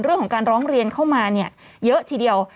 เรื่องของการร้องเรียนเข้ามาเนี่ยเยอะทีเดียว